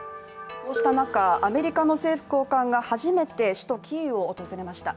こうした中アメリカの政府高官が初めて首都キーウを訪れました。